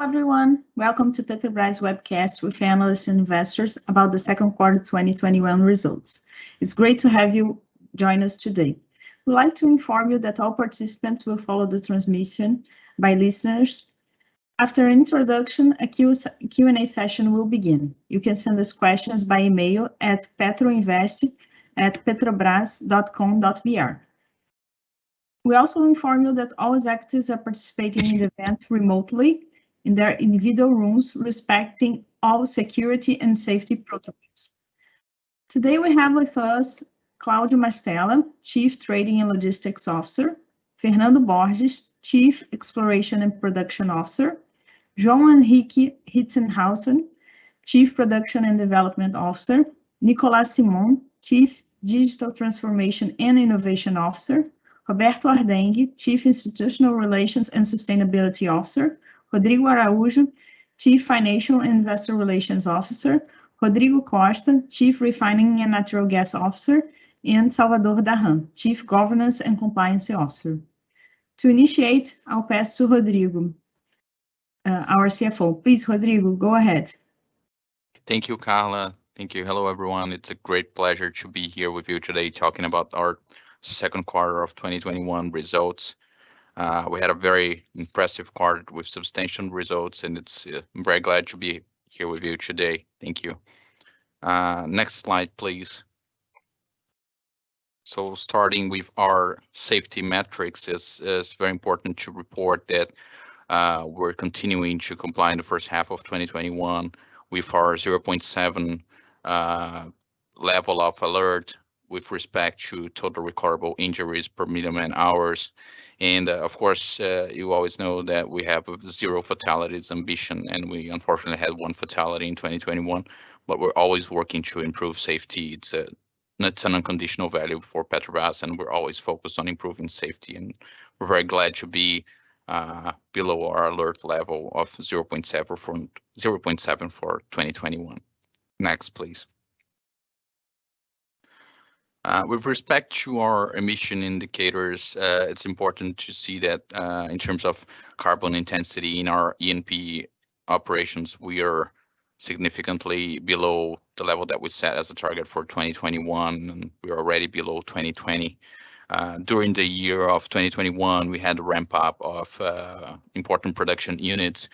Hello, everyone. Welcome to Petrobras Webcast with Analysts and Investors about the Second Quarter 2021 Results. It's great to have you join us today. We'd like to inform you that all participants will follow the transmission by listeners. After introduction, a Q&A session will begin. You can send us questions by email at petroinvest@petrobras.com.br. We also inform you that all executives are participating in the event remotely in their individual rooms, respecting all security and safety protocols. Today, we have with us Claudio Mastella, Chief Trading and Logistics Officer, Fernando Borges, Chief Exploration and Production Officer, João Henrique Rittershaussen, Chief Production and Development Officer, Nicolás Simone, Chief Digital Transformation and Innovation Officer, Roberto Ardenghy, Chief Institutional Relations and Sustainability Officer, Rodrigo Araujo, Chief Financial and Investor Relations Officer, Rodrigo Costa, Chief Refining and Natural Gas Officer, and Salvador Dahan, Chief Governance and Compliance Officer. To initiate, I'll pass to Rodrigo, our CFO. Please, Rodrigo, go ahead. Thank you, Carla. Thank you. Hello, everyone. It's a great pleasure to be here with you today talking about our Second Quarter of 2021 Results. We had a very impressive quarter with substantial results, and I'm very glad to be here with you today. Thank you. Next slide, please. Starting with our safety metrics, it's very important to report that we' e continuing to comply in the first half of 2021 with our 0.7 level of alert with respect to total recordable injuries per million man-hours. Of course, you always know that we have a zero fatalities ambition, and we unfortunately had one fatality in 2021. We're always working to improve safety. That's an unconditional value for Petrobras, and we're always focused on improving safety, and we're very glad to be below our alert level of 0.7 for 2021. Next, please. With respect to our emission indicators, it's important to see that, in terms of carbon intensity in our E&P operations, we are significantly below the level that we set as a target for 2021, and we are already below 2020. During the year of 2021, we had a ramp-up of important production units,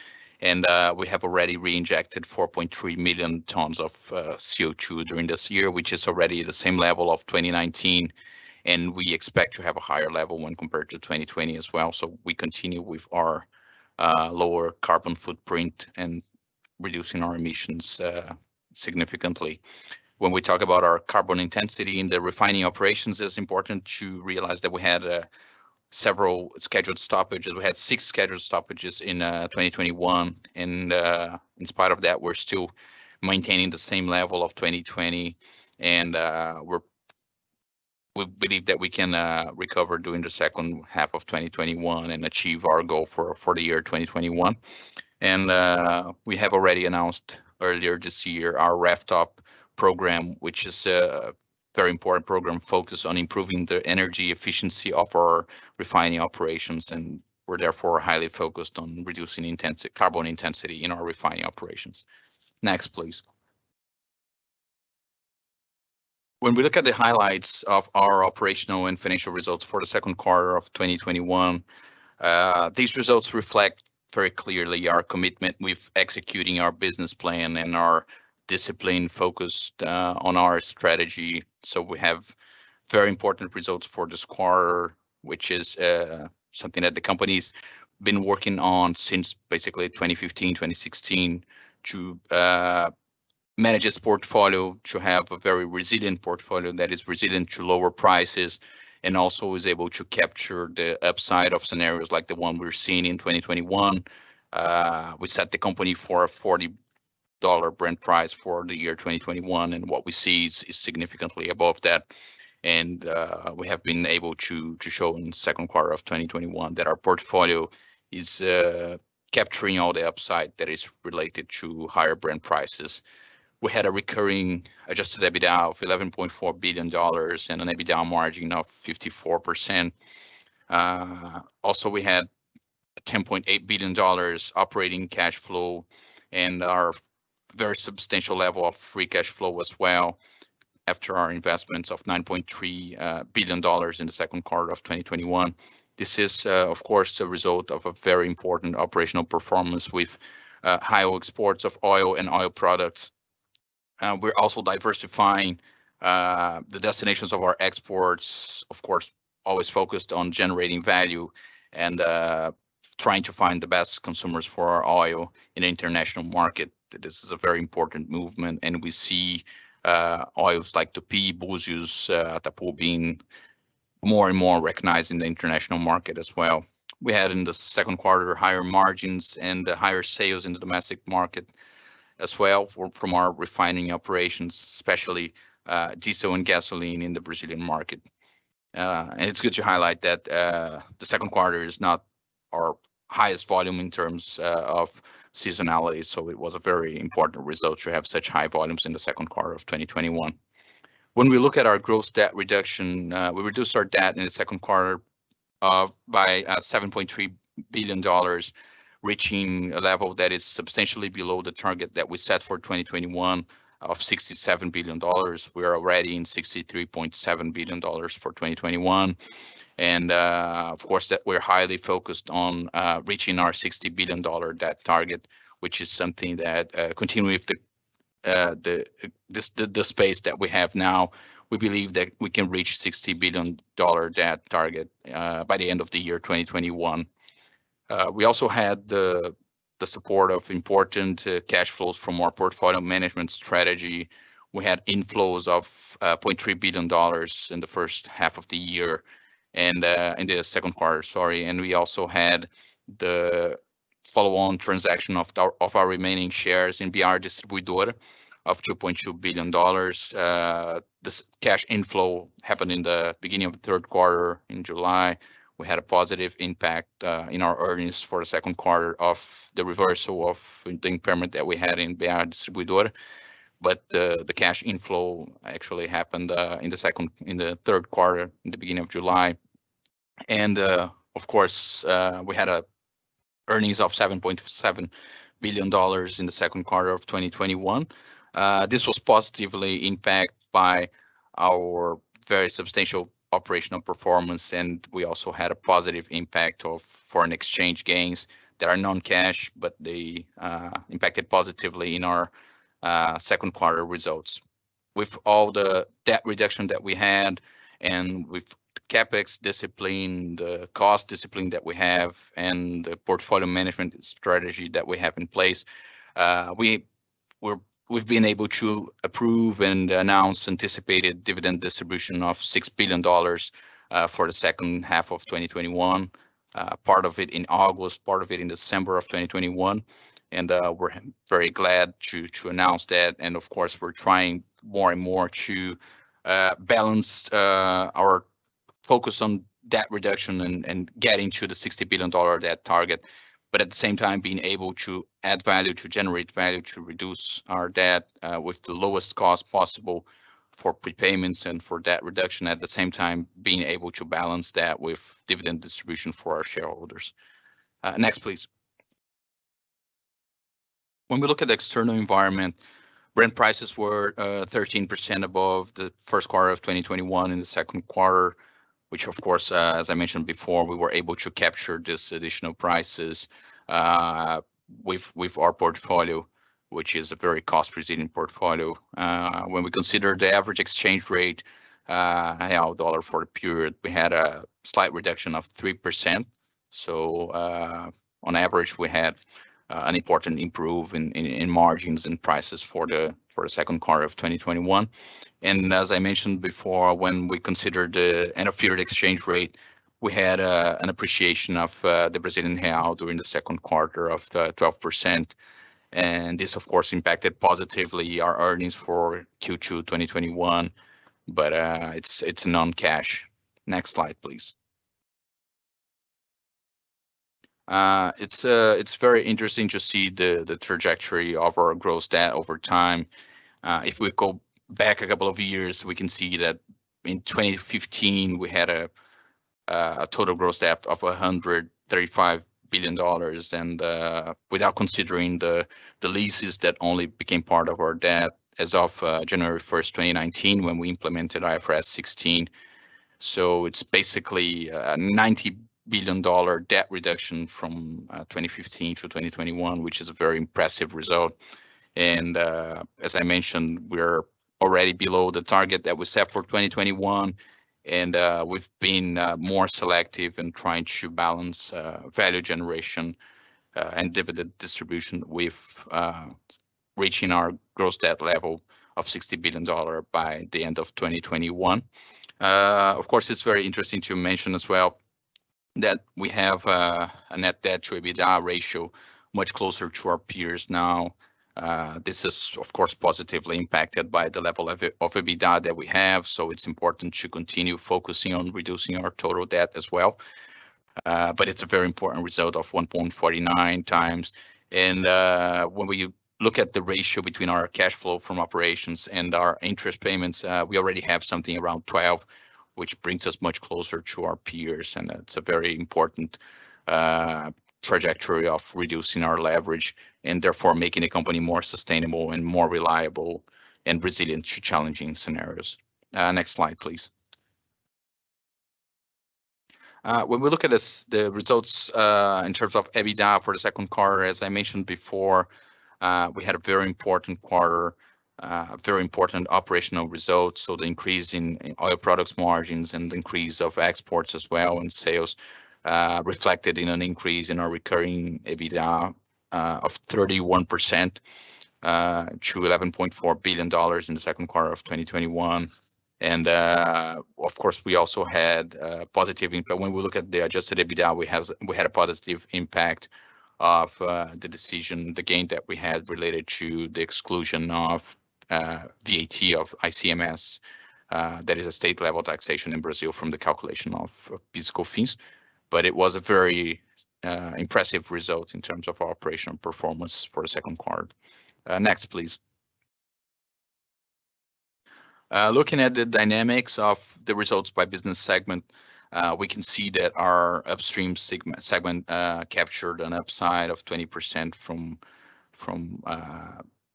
and we have already reinjected 4.3 million tons of CO2 during this year, which is already the same level of 2019, and we expect to have a higher level when compared to 2020 as well. We continue with our lower carbon footprint and reducing our emissions significantly. When we talk about our carbon intensity in the refining operations, it's important to realize that we had several scheduled stoppages. We had six scheduled stoppages in 2021, and in spite of that, we're still maintaining the same level of 2020. We believe that we can recover during the second half of 2021 and achieve our goal for the year 2021. We have already announced earlier this year our RefTOP program, which is a very important program focused on improving the energy efficiency of our refining operations. We're therefore highly focused on reducing carbon intensity in our refining operations. Next, please. When we look at the highlights of our operational and financial results for the second quarter of 2021, these results reflect very clearly our commitment with executing our business plan and our discipline focused on our strategy. We have very important results for this quarter, which is something that the company's been working on since basically 2015, 2016, to manage its portfolio, to have a very resilient portfolio that is resilient to lower prices and also is able to capture the upside of scenarios like the one we're seeing in 2021. We set the company for a $40 Brent price for the year 2021, what we see is significantly above that. We have been able to show in the second quarter of 2021 that our portfolio is capturing all the upside that is related to higher Brent prices. We had a recurring adjusted EBITDA of $11.4 billion and an EBITDA margin of 54%. We had $10.8 billion operating cash flow and our very substantial level of free cash flow as well after our investments of $9.3 billion in the second quarter of 2021. This is, of course, a result of a very important operational performance with high exports of oil and oil products. We're also diversifying the destinations of our exports, of course, always focused on generating value and trying to find the best consumers for our oil in the international market. This is a very important movement, we see oils like Tupi, Búzios, Itapu being more and more recognized in the international market as well. We had in the second quarter higher margins and higher sales in the domestic market as well from our refining operations, especially diesel and gasoline in the Brazilian market. It's good to highlight that the second quarter is not our highest volume in terms of seasonality. It was a very important result to have such high volumes in the second quarter of 2021. When we look at our gross debt reduction, we reduced our debt in the second quarter by $7.3 billion, reaching a level that is substantially below the target that we set for 2021 of $67 billion. We are already in $63.7 billion for 2021. Of course, we're highly focused on reaching our $60 billion debt target, which is something that continuing with the space that we have now, we believe that we can reach $60 billion debt target by the end of the year 2021. We also had the support of important cash flows from our portfolio management strategy. We had inflows of $0.3 billion in the first half of the year, in the second quarter, sorry. We also had the follow-on transaction of our remaining shares in BR Distribuidora of $2.2 billion. This cash inflow happened in the beginning of the third quarter in July. We had a positive impact in our earnings for the second quarter of the reversal of the impairment that we had in BR Distribuidora. The cash inflow actually happened in the third quarter, in the beginning of July. Of course, we had earnings of $7.7 billion in the second quarter of 2021. This was positively impacted by our very substantial operational performance, and we also had a positive impact of foreign exchange gains that are non-cash, but they impacted positively in our second quarter results. With all the debt reduction that we had and with CapEx discipline, the cost discipline that we have, and the portfolio management strategy that we have in place, we've been able to approve and announce anticipated dividend distribution of $6 billion for the second half of 2021. Part of it in August, part of it in December of 2021. We're very glad to announce that, and of course, we're trying more and more to balance our focus on debt reduction and getting to the BRL 60 billion debt target, but at the same time, being able to add value, to generate value, to reduce our debt with the lowest cost possible for prepayments and for debt reduction. At the same time, being able to balance that with dividend distribution for our shareholders. Next, please. When we look at the external environment, Brent prices were 13% above the first quarter of 2021 in the second quarter, which, of course, as I mentioned before, we were able to capture these additional prices with our portfolio, which is a very cost Brazilian portfolio. When we consider the average exchange rate real dollar for the period, we had a slight reduction of 3%. On average, we had an important improvement in margins and prices for the second quarter of 2021. As I mentioned before, when we consider the end-of-period exchange rate, we had an appreciation of the Brazilian real during the second quarter of 12%. This, of course, impacted positively our earnings for Q2 2021. It's non-cash. Next slide, please. It's very interesting to see the trajectory of our gross debt over time. If we go back a couple of years, we can see that in 2015, we had a total gross debt of $135 billion. Without considering the leases that only became part of our debt as of January 1st, 2019, when we implemented IFRS 16. It's basically a $90 billion debt reduction from 2015 to 2021, which is a very impressive result. As I mentioned, we're already below the target that we set for 2021, and we've been more selective in trying to balance value generation and dividend distribution with reaching our gross debt level of $60 billion by the end of 2021. It's very interesting to mention as well that we have a net debt to EBITDA ratio much closer to our peers now. This is, of course, positively impacted by the level of EBITDA that we have. It's important to continue focusing on reducing our total debt as well. It's a very important result of 1.49x. When we look at the ratio between our cash flow from operations and our interest payments, we already have something around 12, which brings us much closer to our peers, and that's a very important trajectory of reducing our leverage, and therefore making the company more sustainable and more reliable and resilient to challenging scenarios. Next slide, please. When we look at the results in terms of EBITDA for the second quarter, as I mentioned before, we had a very important quarter, very important operational results. The increase in oil products margins and the increase of exports as well, and sales reflected in an increase in our recurring EBITDA of 31% to $11.4 billion in the second quarter of 2021. Of course, we also had a positive impact. We look at the adjusted EBITDA, we had a positive impact of the decision, the gain that we had related to the exclusion of VAT of ICMS. That is a state-level taxation in Brazil from the calculation of PIS/COFINS. It was a very impressive result in terms of our operational performance for the second quarter. Next, please. Looking at the dynamics of the results by business segment, we can see that our upstream segment captured an upside of 20% from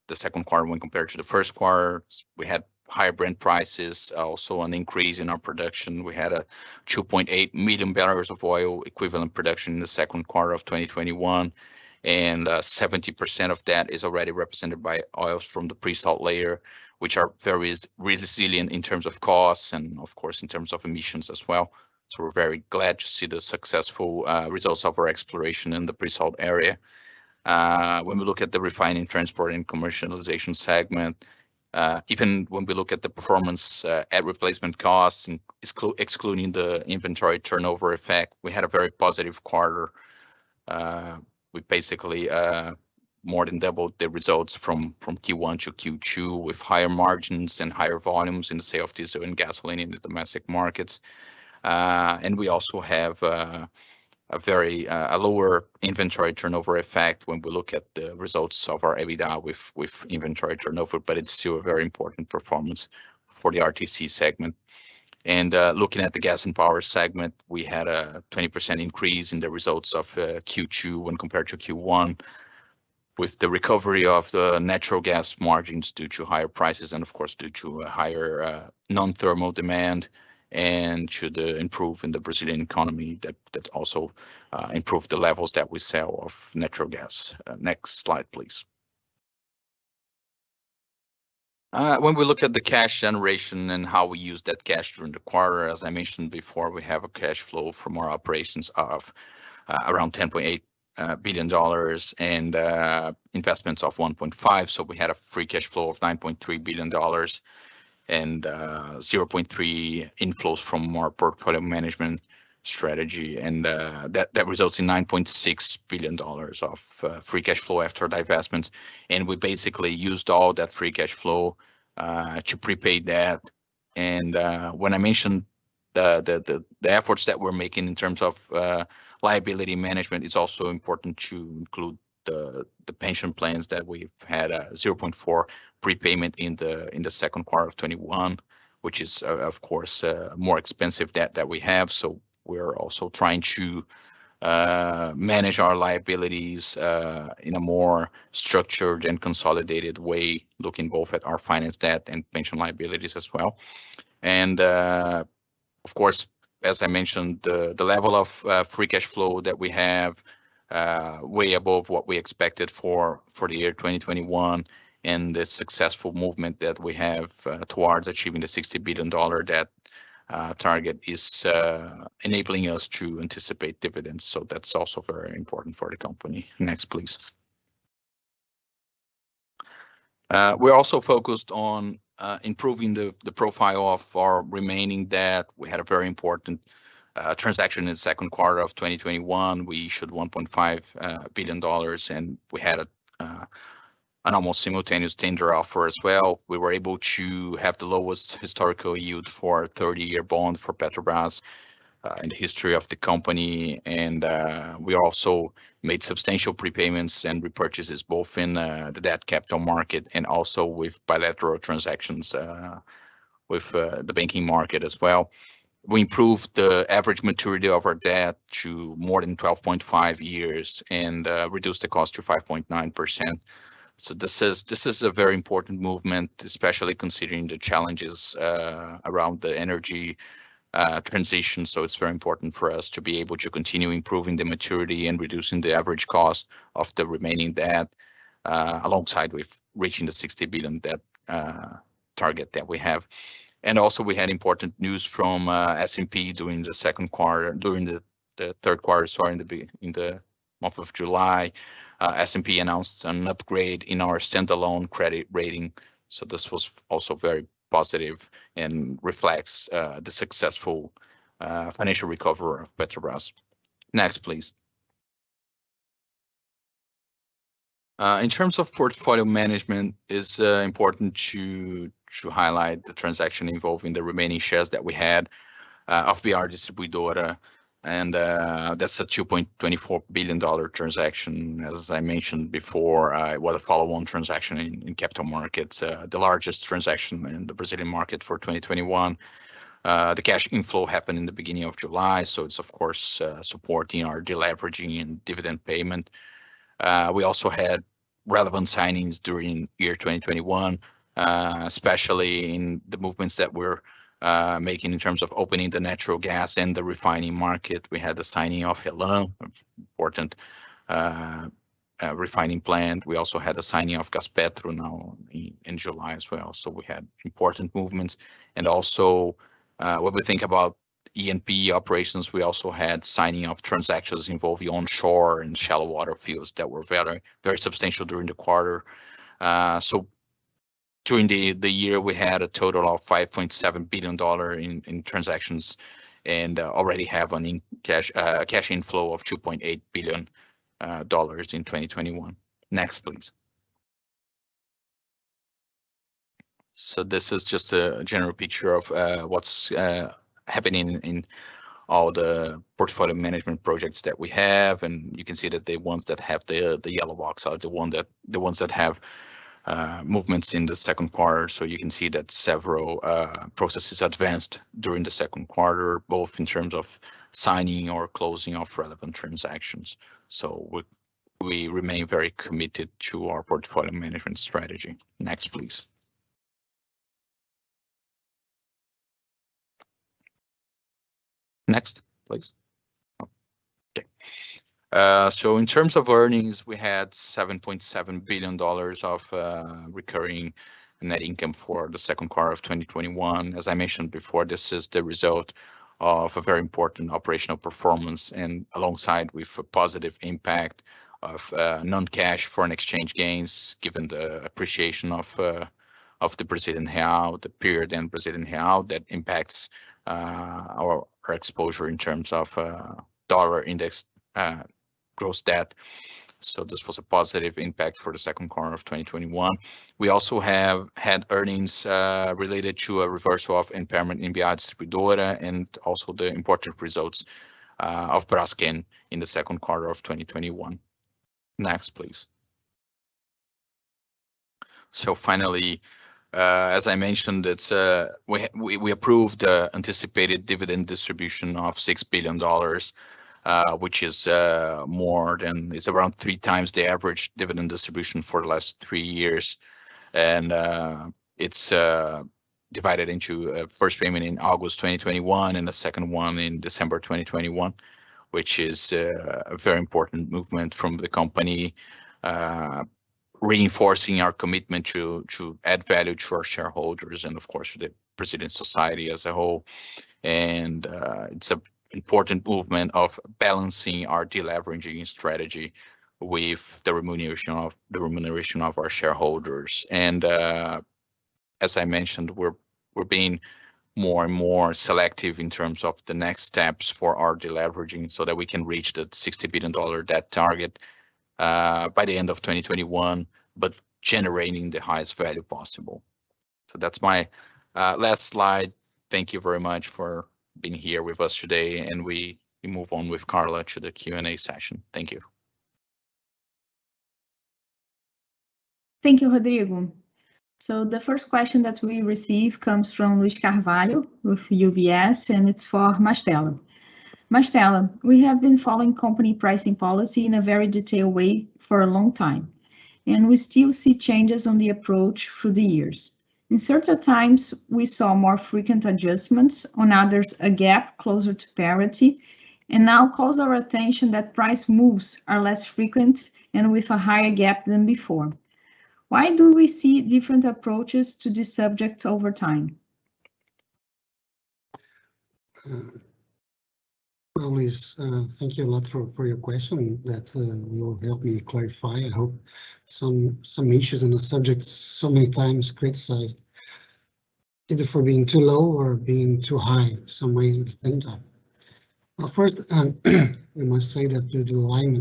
the second quarter when compared to the first quarter. We had higher Brent prices, also an increase in our production. We had a 2.8 million BOE production in the second quarter of 2021, and 70% of that is already represented by oils from the pre-salt layer, which are very resilient in terms of costs and, of course, in terms of emissions as well. We're very glad to see the successful results of our exploration in the pre-salt area. When we look at the refining, transport, and commercialization segment, even when we look at the performance at replacement costs and excluding the inventory turnover effect, we had a very positive quarter. We basically more than doubled the results from Q1 to Q2 with higher margins and higher volumes in the sale of diesel and gasoline in the domestic markets. We also have a very lower inventory turnover effect when we look at the results of our EBITDA with inventory turnover, but it's still a very important performance for the RTC segment. Looking at the gas and power segment, we had a 20% increase in the results of Q2 when compared to Q1, with the recovery of the natural gas margins due to higher prices and, of course, due to a higher non-thermal demand, and to the improvement in the Brazilian economy that also improved the levels that we sell of natural gas. Next slide, please. When we look at the cash generation and how we used that cash during the quarter, as I mentioned before, we have a cash flow from our operations of around $10.8 billion and investments of $1.5. We had a free cash flow of $9.3 billion and $0.3 inflows from our portfolio management strategy. That results in $9.6 billion of free cash flow after divestments. We basically used all that free cash flow to pre-pay debt. When I mentioned the efforts that we're making in terms of liability management, it's also important to include the pension plans that we've had a $0.4 prepayment in Q2 2021, which is, of course, more expensive debt that we have. We're also trying to manage our liabilities in a more structured and consolidated way, looking both at our finance debt and pension liabilities as well. Of course, as I mentioned, the level of free cash flow that we have, way above what we expected for 2021. The successful movement that we have towards achieving the $60 billion debt target is enabling us to anticipate dividends. That's also very important for the company. Next, please. We also focused on improving the profile of our remaining debt. We had a very important transaction in Q2 2021. We issued $1.5 billion. We had an almost simultaneous tender offer as well. We were able to have the lowest historical yield for our 30-year bond for Petrobras in the history of the company. We also made substantial prepayments and repurchases both in the debt capital market and also with bilateral transactions with the banking market as well. We improved the average maturity of our debt to more than 12.5 years and reduced the cost to 5.9%. This is a very important movement, especially considering the challenges around the energy transition. It's very important for us to be able to continue improving the maturity and reducing the average cost of the remaining debt, alongside with reaching the $60 billion debt target that we have. Also, we had important news from S&P during the third quarter, sorry, in the month of July. S&P announced an upgrade in our standalone credit rating. This was also very positive and reflects the successful financial recovery of Petrobras. Next, please. In terms of portfolio management, it's important to highlight the transaction involving the remaining shares that we had of BR Distribuidora, and that's a BRL 2.24 billion transaction. As I mentioned before, it was a follow-on transaction in capital markets, the largest transaction in the Brazilian market for 2021. The cash inflow happened in the beginning of July, so it's, of course, supporting our de-leveraging and dividend payment. We also had relevant signings during year 2021, especially in the movements that we're making in terms of opening the natural gas and the refining market. We had the signing of RLAM, an important refining plant. We also had the signing of Gaspetro now in July as well. We had important movements. Also when we think about E&P operations, we also had signing of transactions involving onshore and shallow water fields that were very substantial during the quarter. During the year, we had a total of BRL 5.7 billion in transactions and already have a cash inflow of BRL 2.8 billion in 2021. Next, please. This is just a general picture of what's happening in all the portfolio management projects that we have, and you can see that the ones that have the yellow box are the ones that have movements in the second quarter. You can see that several processes advanced during the second quarter, both in terms of signing or closing off relevant transactions. We remain very committed to our portfolio management strategy. Next, please. Next, please. Okay. In terms of earnings, we had BRL 7.7 billion of recurring net income for the second quarter of 2021. As I mentioned before, this is the result of a very important operational performance, and alongside with a positive impact of non-cash foreign exchange gains, given the appreciation of the Brazilian real, the period in Brazilian real, that impacts our exposure in terms of dollar-indexed gross debt. This was a positive impact for the second quarter of 2021. We also have had earnings related to a reversal of impairment in BR Distribuidora, and also the important results of Braskem in the second quarter of 2021. Next, please. Finally, as I mentioned, we approved the anticipated dividend distribution of $6 billion, which is around 3x the average dividend distribution for the last three years. It's divided into a first payment in August 2021 and a second one in December 2021, which is a very important movement from the company, reinforcing our commitment to add value to our shareholders and, of course, the Brazilian society as a whole. It's an important movement of balancing our de-leveraging strategy with the remuneration of our shareholders. As I mentioned, we're being more and more selective in terms of the next steps for our de-leveraging so that we can reach the BRL 60 billion debt target by the end of 2021, but generating the highest value possible. That's my last slide. Thank you very much for being here with us today, we move on with Carla to the Q&A session. Thank you. Thank you, Rodrigo. The first question that we receive comes from Luiz Carvalho with UBS, and it's for Mastella. Mastella, we have been following company pricing policy in a very detailed way for a long time, we still see changes on the approach through the years. In certain times, we saw more frequent adjustments. On others, a gap closer to parity. Now calls our attention that price moves are less frequent and with a higher gap than before. Why do we see different approaches to this subject over time? Well, Luiz, thank you a lot for your question. That will help me clarify, I hope, some issues on the subject so many times criticized either for being too low or being too high, some way in between that. First, we must say that the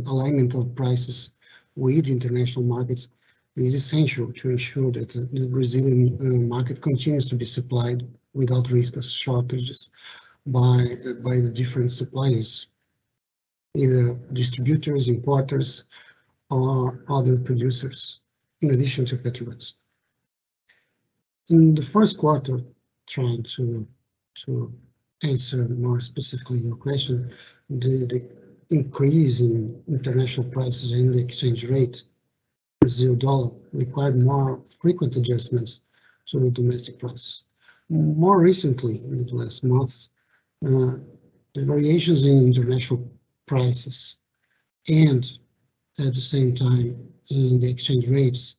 alignment of prices with international markets is essential to ensure that the Brazilian market continues to be supplied without risk of shortages by the different suppliers, either distributors, importers, or other producers, in addition to Petrobras. In the first quarter, trying to answer more specifically your question, the increase in international prices and the exchange rate to the dollar required more frequent adjustments to the domestic prices. More recently, in the last months, the variations in international prices and, at the same time, in the exchange rates,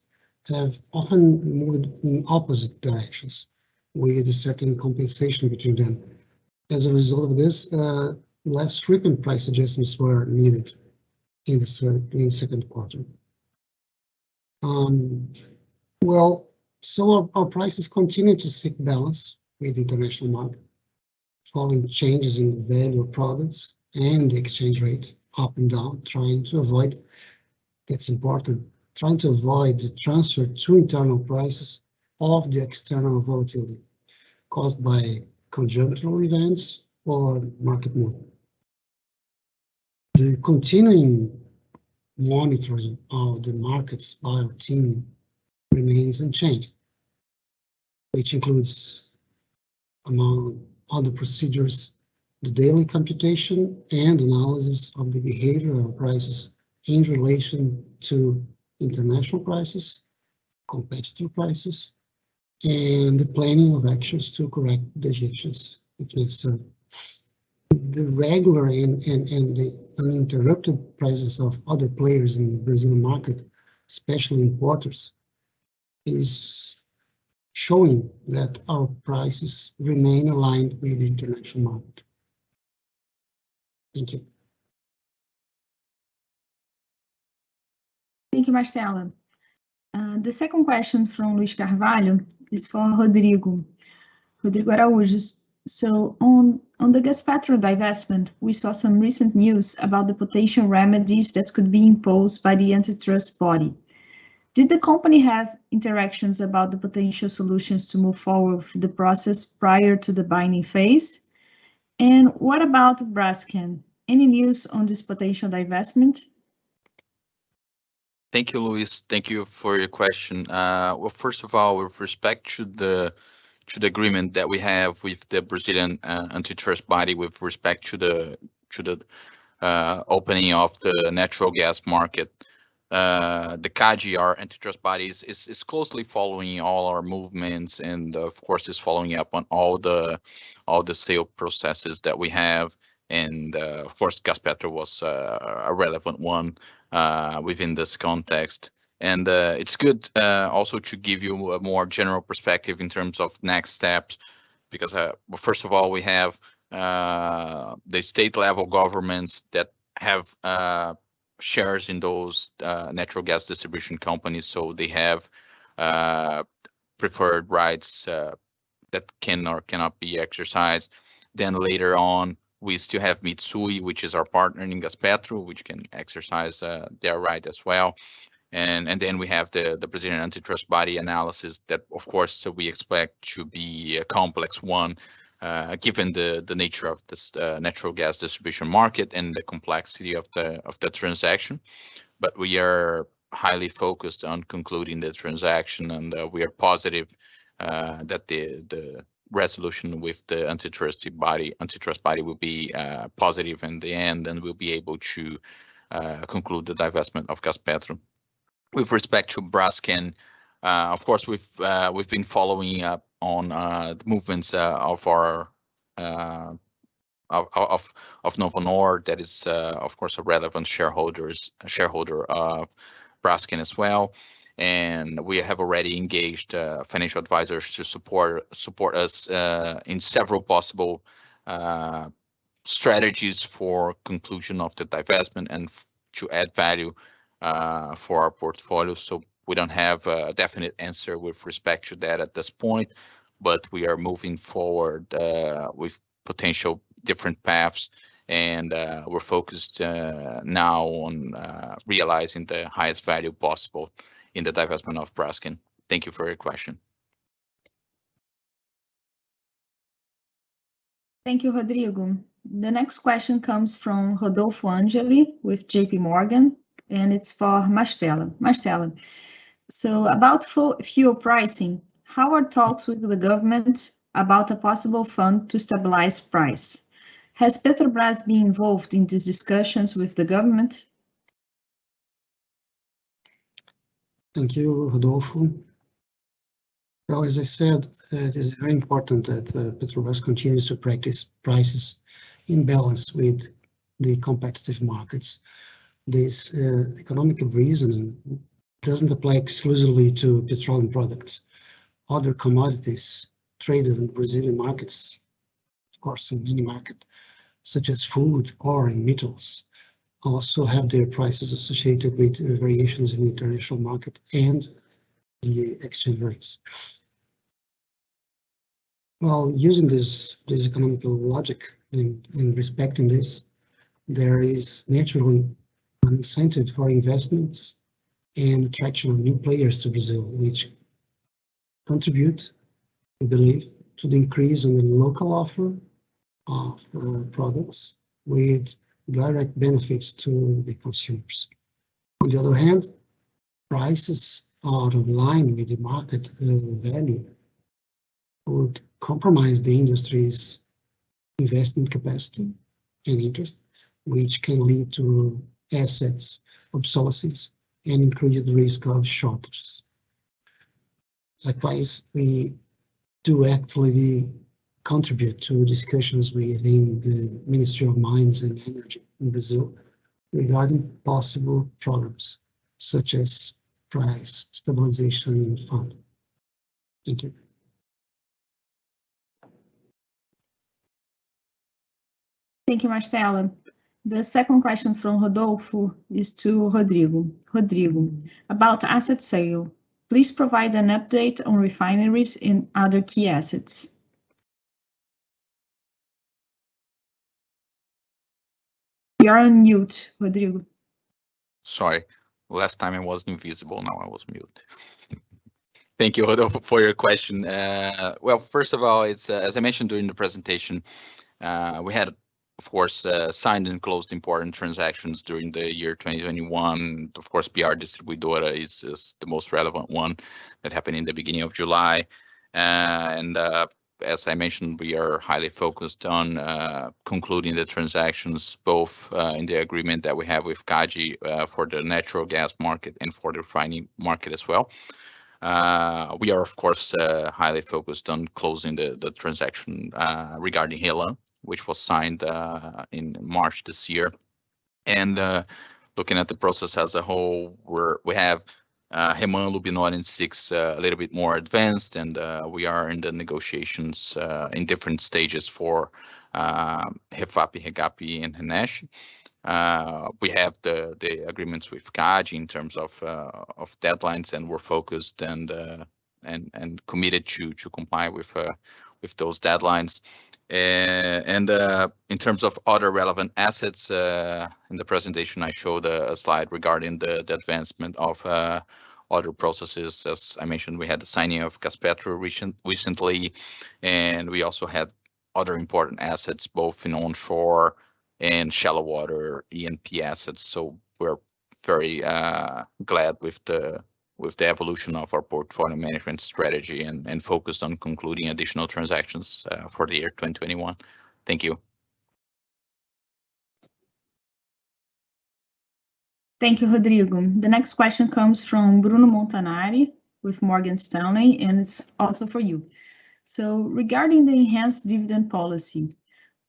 have often moved in opposite directions, with a certain compensation between them. As a result of this, less frequent price adjustments were needed in the second quarter. Well, our prices continue to seek balance with the international market, following changes in the value of products and the exchange rate up and down, trying to avoid, that's important, trying to avoid the transfer to internal prices of the external volatility caused by congeneric events or market movement. The continuing monitoring of the markets by our team remains unchanged, which includes, among other procedures, the daily computation and analysis of the behavior of prices in relation to international prices, competitor prices, and the planning of actions to correct deviations, if necessary. The regular and the uninterrupted presence of other players in the Brazilian market, especially importers, is showing that our prices remain aligned with the international market. Thank you. Thank you, Mastella. The second question from Luiz Carvalho is for Rodrigo. Rodrigo Araujo. On the Gaspetro divestment, we saw some recent news about the potential remedies that could be imposed by the antitrust body. Did the company have interactions about the potential solutions to move forward with the process prior to the binding phase? What about Braskem? Any news on this potential divestment? Thank you, Luiz. Thank you for your question. Well, first of all, with respect to the agreement that we have with the Brazilian antitrust body with respect to the opening of the natural gas market, the CADE, our antitrust bodies, is closely following all our movements, and, of course, is following up on all the sale processes that we have. Of course, Gaspetro was a relevant one within this context. It's good also to give you a more general perspective in terms of next steps, because, first of all, we have the state-level governments that have shares in those natural gas distribution companies, so they have preferred rights that can or cannot be exercised. Later on, we still have Mitsui, which is our partner in Gaspetro, which can exercise their right as well. We have the Brazilian antitrust body analysis that, of course, we expect to be a complex one, given the nature of this natural gas distribution market and the complexity of the transaction. We are highly focused on concluding the transaction, and we are positive that the resolution with the antitrust body will be positive in the end, and we'll be able to conclude the divestment of Gaspetro. With respect to Braskem, of course, we've been following up on the movements of Novonor. That is, of course, a relevant shareholder of Braskem as well. We have already engaged financial advisors to support us in several possible strategies for conclusion of the divestment and to add value for our portfolio. We don't have a definite answer with respect to that at this point. We are moving forward with potential different paths, and we're focused now on realizing the highest value possible in the divestment of Braskem. Thank you for your question. Thank you, Rodrigo. The next question comes from Rodolfo Angele with JPMorgan, and it's for Mastella. Mastella, about fuel pricing, how are talks with the government about a possible fund to stabilize price? Has Petrobras been involved in these discussions with the government? Thank you, Rodolfo. As I said, it is very important that Petrobras continues to practice prices in balance with the competitive markets. This economic reason doesn't apply exclusively to petroleum products. Other commodities traded in Brazilian markets, of course, in any market, such as food, ore, and metals, also have their prices associated with variations in the international market and the exchange rates. While using this economic logic and respecting this, there is naturally an incentive for investments and attraction of new players to Brazil, which contribute, we believe, to the increase in the local offer of products with direct benefits to the consumers. On the other hand, prices out of line with the market value would compromise the industry's investment capacity and interest, which can lead to assets obsolescence and increased risk of shortages. Likewise, we do actively contribute to discussions within the Ministry of Mines and Energy in Brazil regarding possible programs such as price stabilization fund. Thank you. Thank you, Mastella. The second question from Rodolfo is to Rodrigo. Rodrigo, about asset sale, please provide an update on refineries in other key assets. You are on mute, Rodrigo. Sorry. Last time I was invisible, now I was mute. Thank you, Rodolfo, for your question. Well, first of all, as I mentioned during the presentation, we had, of course, signed and closed important transactions during the year 2021. Of course, BR Distribuidora is the most relevant one that happened in the beginning of July. As I mentioned, we are highly focused on concluding the transactions, both in the agreement that we have with CADE for the natural gas market and for the refining market as well. We are, of course, highly focused on closing the transaction regarding RLAM, which was signed in March this year. Looking at the process as a whole, we have REMAN, LUBNOR, and SIX a little bit more advanced, and we are in the negotiations in different stages for REFAP, REGAP, and RNEST. We have the agreements with CADE in terms of deadlines, we're focused and committed to comply with those deadlines. In terms of other relevant assets, in the presentation, I showed a slide regarding the advancement of other processes. As I mentioned, we had the signing of Gaspetro recently, and we also had other important assets, both in onshore and shallow water E&P assets. We're very glad with the evolution of our portfolio management strategy, and focused on concluding additional transactions for the year 2021. Thank you. Thank you, Rodrigo. The next question comes from Bruno Montanari with Morgan Stanley, and it's also for you. Regarding the enhanced dividend policy,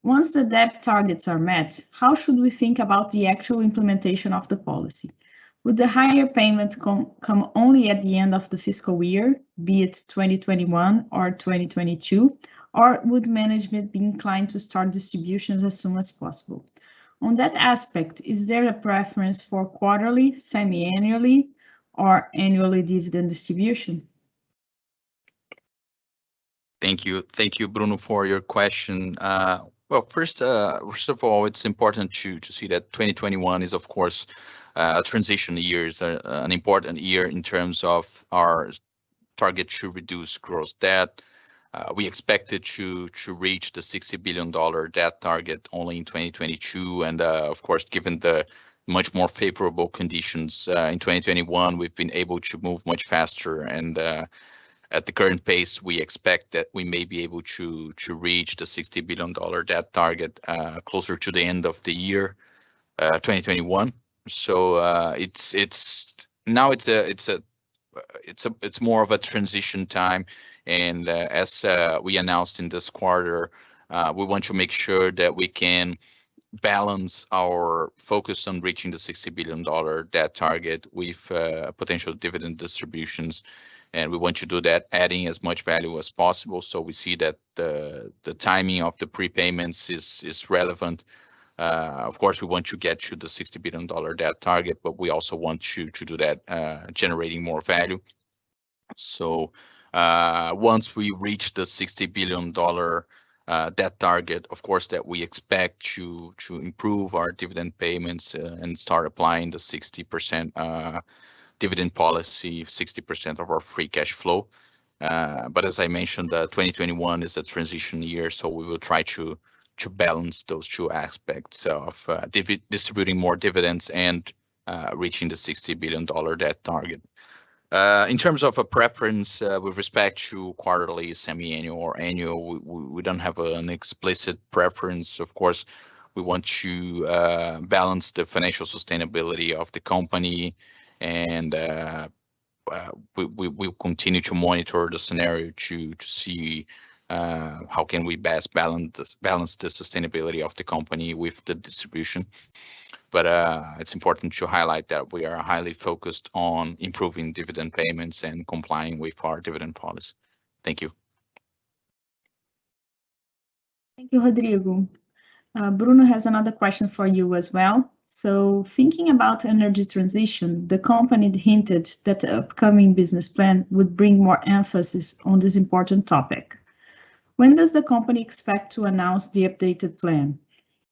once the debt targets are met, how should we think about the actual implementation of the policy? Would the higher payments come only at the end of the fiscal year, be it 2021 or 2022, or would management be inclined to start distributions as soon as possible? On that aspect, is there a preference for quarterly, semiannually, or annually dividend distribution? Thank you. Thank you, Bruno, for your question. Well, first of all, it's important to see that 2021 is, of course, a transition year. It's an important year in terms of our target to reduce gross debt. We expected to reach the BRL 60 billion debt target only in 2022. Of course, given the much more favorable conditions in 2021, we've been able to move much faster. At the current pace, we expect that we may be able to reach the BRL 60 billion debt target closer to the end of the year 2021. Now it's more of a transition time, and as we announced in this quarter, we want to make sure that we can balance our focus on reaching the BRL 60 billion debt target with potential dividend distributions, and we want to do that adding as much value as possible. We see that the timing of the prepayments is relevant. Of course, we want to get to the $60 billion debt target, but we also want to do that generating more value. Once we reach the $60 billion debt target, of course, that we expect to improve our dividend payments and start applying the 60% dividend policy, 60% of our free cash flow. As I mentioned, 2021 is a transition year, so we will try to balance those two aspects of distributing more dividends and reaching the $60 billion debt target. In terms of a preference with respect to quarterly, semiannual, or annual, we don't have an explicit preference. Of course, we want to balance the financial sustainability of the company, and we will continue to monitor the scenario to see how can we best balance the sustainability of the company with the distribution. It's important to highlight that we are highly focused on improving dividend payments and complying with our dividend policy. Thank you. Thank you, Rodrigo. Bruno has another question for you as well. Thinking about energy transition, the company hinted that the upcoming business plan would bring more emphasis on this important topic. When does the company expect to announce the updated plan?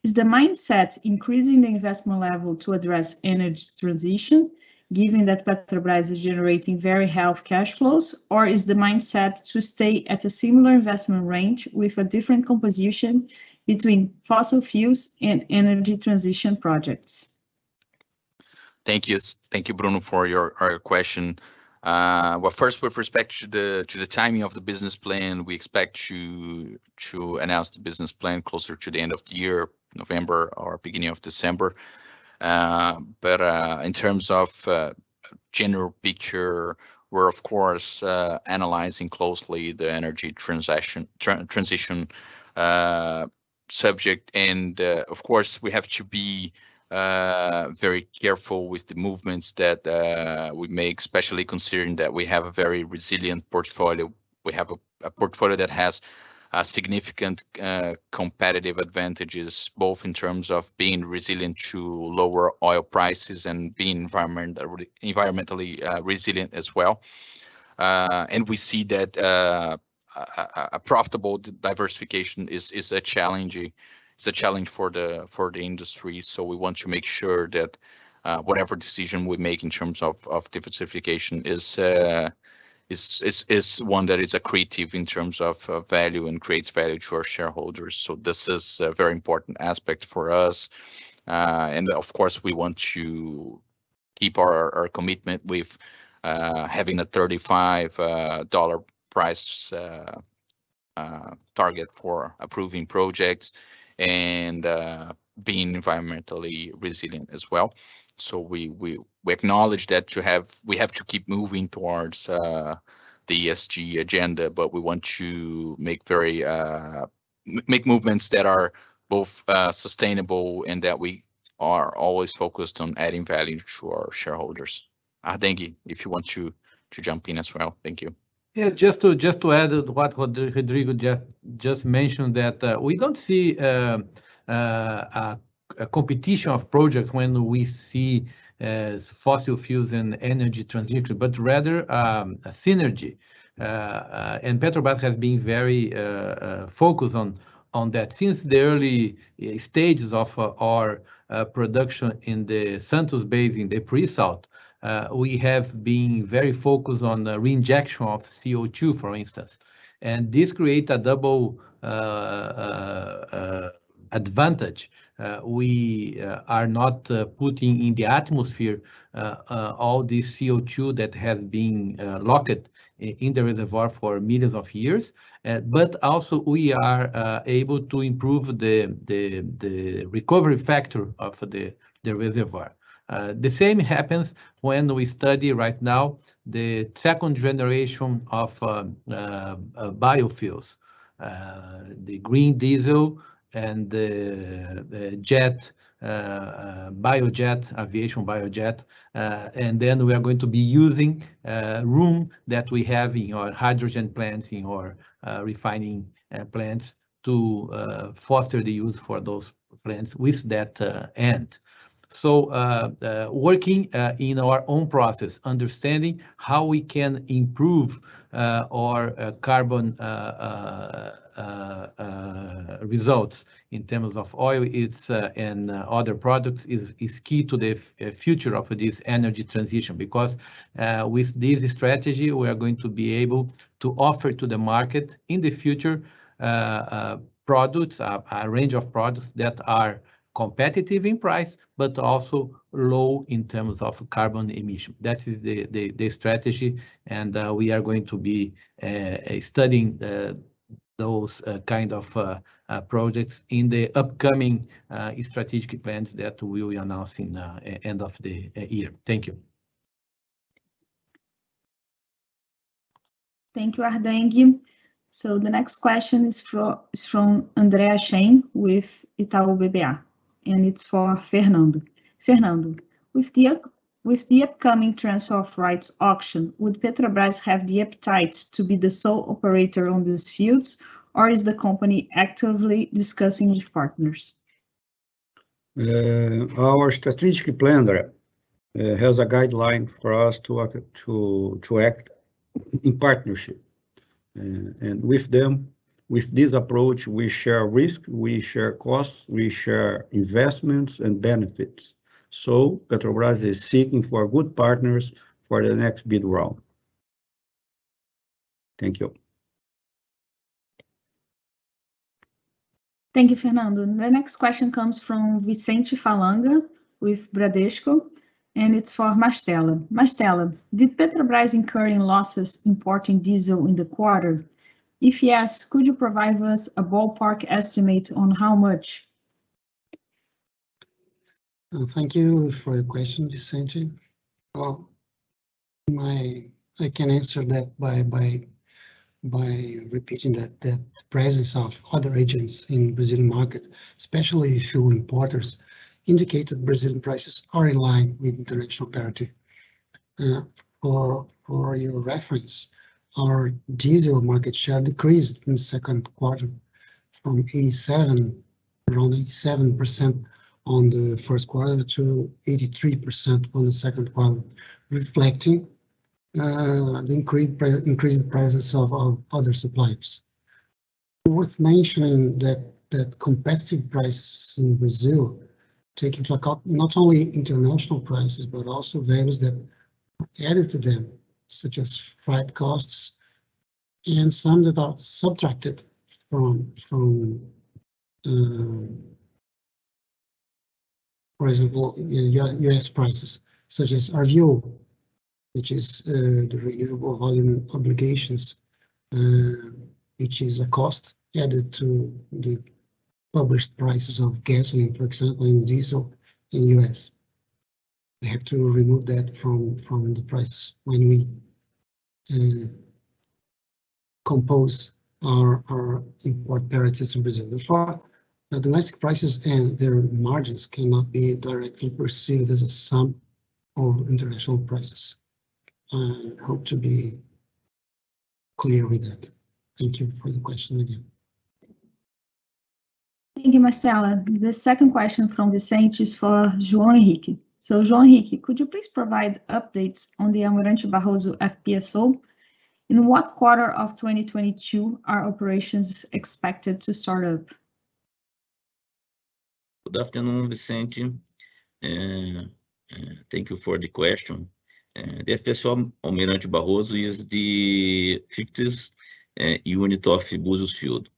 Is the mindset increasing the investment level to address energy transition, given that Petrobras is generating very healthy cash flows? Is the mindset to stay at a similar investment range with a different composition between fossil fuels and energy transition projects? Thank you. Thank you, Bruno, for your question. Well, first with respect to the timing of the business plan, we expect to announce the business plan closer to the end of the year, November or beginning of December. In terms of general picture, we're of course analyzing closely the energy transition subject. Of course, we have to be very careful with the movements that we make, especially considering that we have a very resilient portfolio. We have a portfolio that has significant competitive advantages, both in terms of being resilient to lower oil prices and being environmentally resilient as well. We see that a profitable diversification is a challenge for the industry. We want to make sure that whatever decision we make in terms of diversification is one that is accretive in terms of value and creates value to our shareholders. This is a very important aspect for us. Of course, we want to keep our commitment with having a BRL 35 price target for approving projects and being environmentally resilient as well. We acknowledge that we have to keep moving towards the ESG agenda, but we want to make movements that are both sustainable and that we are always focused on adding value to our shareholders. Ardenghy, if you want to jump in as well. Thank you. Yeah, just to add to what Rodrigo just mentioned, that we don't see a competition of projects when we see fossil fuels and energy transition, but rather a synergy. Petrobras has been very focused on that since the early stages of our production in the Santos Basin, the pre-salt. We have been very focused on the reinjection of CO2, for instance, and this create a double advantage. We are not putting in the atmosphere all the CO2 that has been locked in the reservoir for millions of years. Also we are able to improve the recovery factor of the reservoir. The same happens when we study right now the second generation of biofuels, the Green Diesel and the aviation bio-jet. We are going to be using room that we have in our hydrogen plants, in our refining plants, to foster the use for those plants with that end. Working in our own process, understanding how we can improve our carbon results in terms of oil and other products, is key to the future of this energy transition. With this strategy, we are going to be able to offer to the market in the future, a range of products that are competitive in price, but also low in terms of carbon emission. That is the strategy. We are going to be studying those kind of projects in the upcoming strategic plans that we will announce in the end of the year. Thank you. Thank you, Ardenghy. The next question is from André Hachem with Itaú BBA, and it's for Fernando. Fernando, with the upcoming transfer of rights auction, would Petrobras have the appetite to be the sole operator on these fields, or is the company actively discussing with partners? Our strategic planner has a guideline for us to act in partnership. With this approach, we share risk, we share costs, we share investments and benefits. Petrobras is seeking for good partners for the next bid round. Thank you. Thank you, Fernando. The next question comes from Vicente Falanga with Bradesco, and it's for Mastella. Mastella, did Petrobras incurring losses importing diesel in the quarter? If yes, could you provide us a ballpark estimate on how much? Thank you for your question, Vicente. Well, I can answer that by repeating that the presence of other agents in Brazilian market, especially fuel importers, indicate that Brazilian prices are in line with international parity. For your reference, our diesel market share decreased in the second quarter from around 87% on the first quarter to 83% on the second quarter, reflecting the increased presence of other suppliers. Worth mentioning that competitive price in Brazil, take into account not only international prices, but also values that are added to them, such as freight costs, and some that are subtracted from, for example, U.S. prices, such as RVO, which is the renewable volume obligations, which is a cost added to the published prices of gasoline, for example, and diesel in U.S. We have to remove that from the price when we compose our import parities in Brazil. Therefore, domestic prices and their margins cannot be directly perceived as a sum of international prices. I hope to be clear with that. Thank you for the question again. Thank you, Mastella. The second question from Vicente is for João Henrique. João Henrique, could you please provide updates on the Almirante Barroso FPSO? In what quarter of 2022 are operations expected to start up? Good afternoon, Vicente, thank you for the question. The FPSO Almirante Barroso is the fifth unit of Búzios field.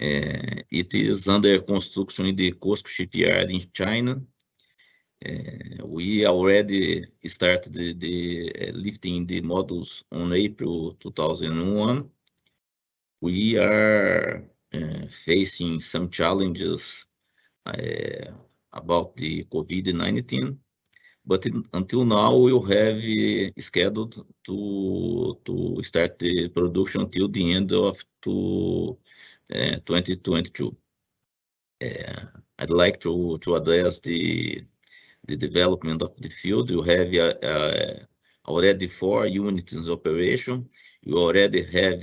It is under construction in the Cosco shipyard in China. We already started lifting the modules on April 2001. We are facing some challenges about the COVID-19, but until now, we have scheduled to start the production till the end of 2022. I'd like to address the development of the field, you have already 4 units in operation. You already have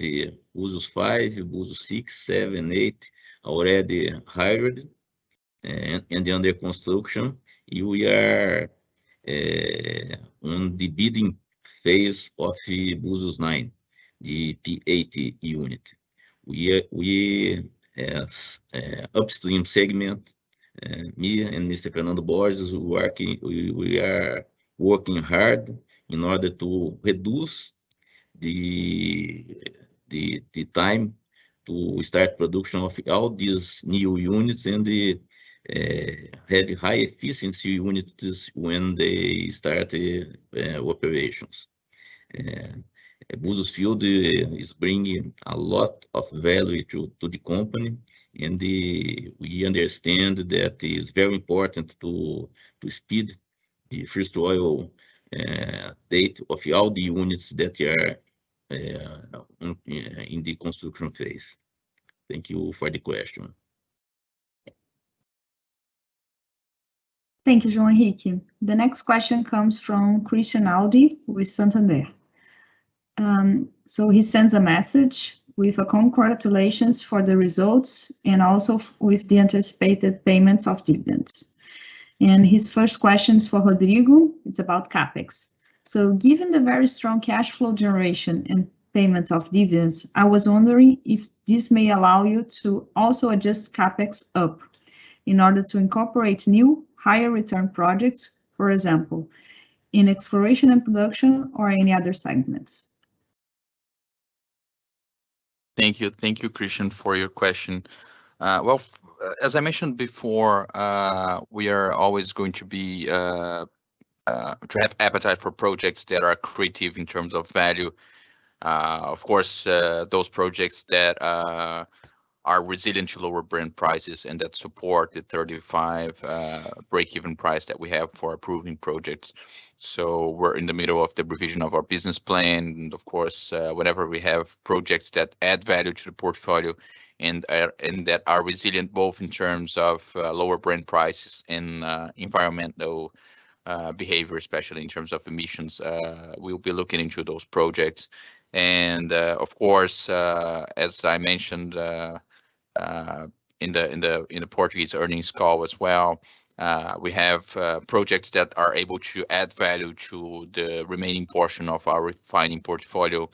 Búzios 5, Búzios 6, 7, 8, already hired and under construction. We are on the bidding phase of Búzios 9, the P-80 unit. We, as upstream segment, me and Mr. Fernando Borges, we are working hard in order to reduce the time to start production of all these new units, and have high efficiency units when they start operations. Búzios field is bringing a lot of value to the company, and we understand that it is very important to speed the first oil date of all the units that are in the construction phase. Thank you for the question. Thank you, João Henrique. The next question comes from Christian Audi with Santander. He sends a message with congratulations for the results and also with the anticipated payments of dividends. His first question is for Rodrigo, it's about CapEx. Given the very strong cash flow generation and payment of dividends, I was wondering if this may allow you to also adjust CapEx up in order to incorporate new, higher return projects, for example, in exploration and production or any other segments. Thank you. Thank you, Christian, for your question. Well, as I mentioned before, we are always going to have appetite for projects that are accretive in terms of value. Of course, those projects that are resilient to lower Brent prices and that support the $35 breakeven price that we have for approving projects. We're in the middle of the revision of our business plan. Of course, whenever we have projects that add value to the portfolio and that are resilient, both in terms of lower Brent prices and environmental behavior, especially in terms of emissions, we'll be looking into those projects. Of course, as I mentioned in the Portuguese earnings call as well, we have projects that are able to add value to the remaining portion of our refining portfolio,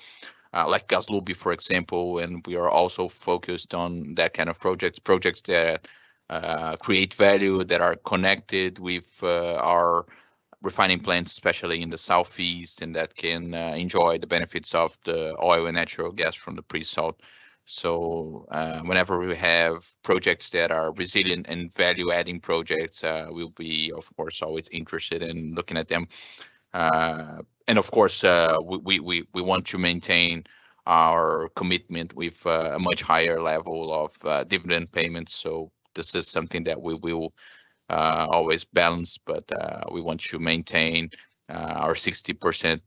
like GasLub, for example. We are also focused on that kind of projects that create value, that are connected with our refining plants, especially in the Southeast, and that can enjoy the benefits of the oil and natural gas from the pre-salt. Whenever we have projects that are resilient and value-adding projects, we'll be, of course, always interested in looking at them. Of course, we want to maintain our commitment with a much higher level of dividend payments. This is something that we will always balance, but we want to maintain our 60%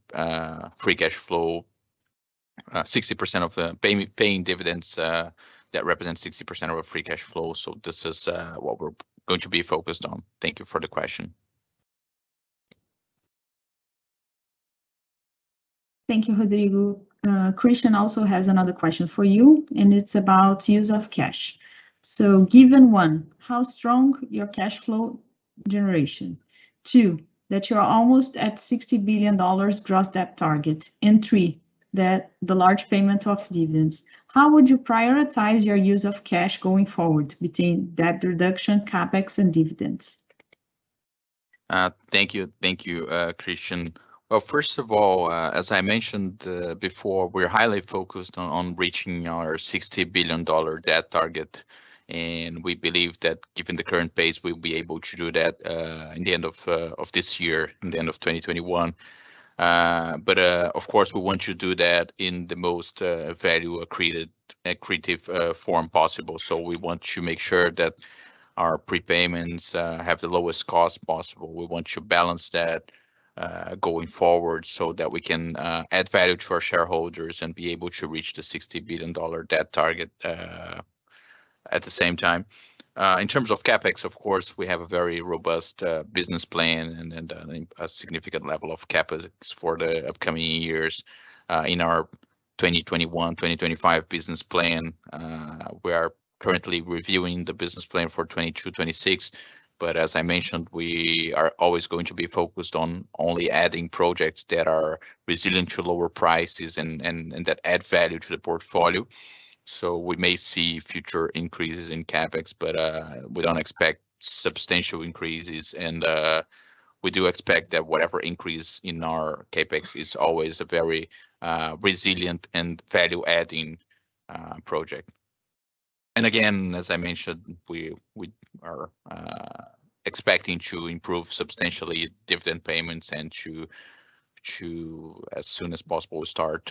of paying dividends that represents 60% of our free cash flow. This is what we're going to be focused on. Thank you for the question. Thank you, Rodrigo. Christian also has another question for you, it's about use of cash. Given, one, how strong your cash flow generation? Two, that you're almost at BRL 60 billion gross debt target, and three, the large payment of dividends, how would you prioritize your use of cash going forward between debt reduction, CapEx, and dividends? Thank you. Thank you, Christian. Well, first of all, as I mentioned before, we're highly focused on reaching our $60 billion debt target. We believe that given the current pace, we'll be able to do that in the end of this year, in the end of 2021. Of course, we want to do that in the most value accretive form possible. We want to make sure that our prepayments have the lowest cost possible. We want to balance that going forward so that we can add value to our shareholders and be able to reach the $60 billion debt target at the same time. In terms of CapEx, of course, we have a very robust business plan and a significant level of CapEx for the upcoming years in our 2021, 2025 business plan. We are currently reviewing the business plan for 2022, 2026, as I mentioned, we are always going to be focused on only adding projects that are resilient to lower prices and that add value to the portfolio. We may see future increases in CapEx, but we don't expect substantial increases, and we do expect that whatever increase in our CapEx is always a very resilient and value-adding project. Again, as I mentioned, we are expecting to improve substantially dividend payments and to, as soon as possible, start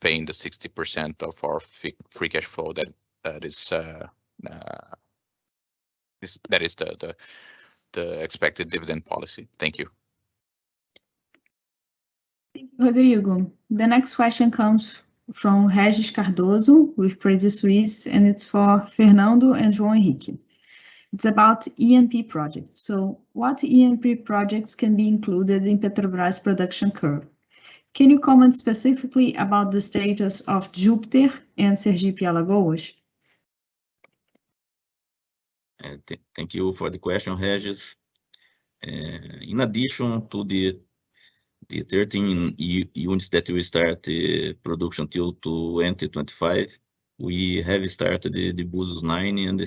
paying the 60% of our free cash flow. That is the expected dividend policy. Thank you. Thank you, Rodrigo. The next question comes from Regis Cardoso, with Credit Suisse, and it's for Fernando and João Henrique. It's about E&P projects. What E&P projects can be included in Petrobras production curve? Can you comment specifically about the status of Júpiter and Sergipe-Alagoas? Thank you for the question, Regis. In addition to the 13 units that we start the production till to enter 2025, we have started the Búzios 9 and the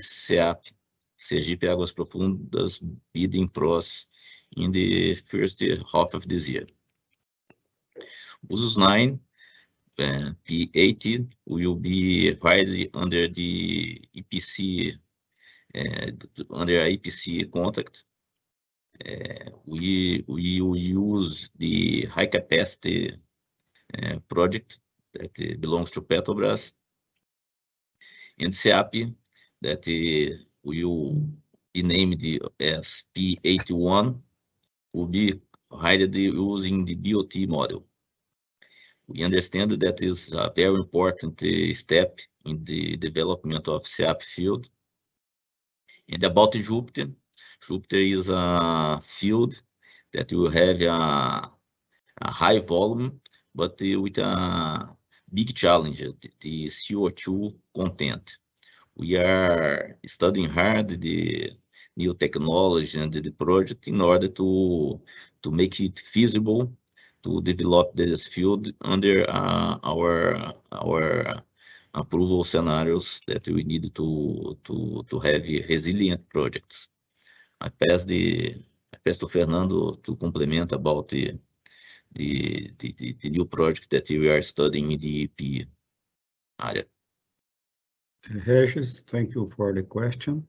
SEAP, Sergipe Águas Profundas, bidding process in the first half of this year. Búzios 9, P-80, will be widely under the EPC contract. We will use the high-capacity project that belongs to Petrobras. In SEAP, that we will name the P-81, will be highly using the BOT model. We understand that is a very important step in the development of SEAP field. About Júpiter is a field that will have a high volume, but with a big challenge, the CO2 content. We are studying hard the new technology and the project in order to make it feasible to develop this field under our approval scenarios that we need to have resilient projects. I pass to Fernando to complement about the new project that we are studying in the E&P area. Regis, thank you for the question.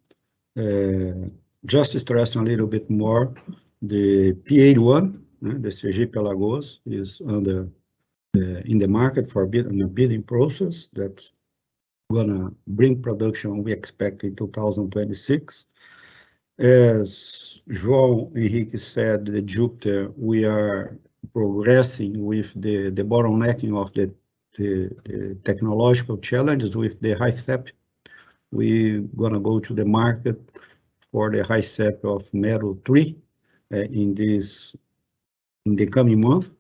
Just to stress a little bit more, the P-81, the Sergipe-Alagoas, is in the market for bid, in the bidding process, that's going to bring production we expect in 2026. As João Henrique said, the Júpiter, we are progressing with the [bottom-making] of the technological challenges with the HISEP. We going to go to the market for the HISEP of Mero 3, in the coming month.